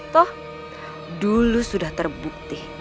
tuh dulu sudah terbukti